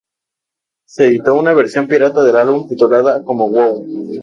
Se editó una versión pirata del álbum titulada como "Wow!